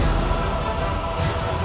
ini mah aneh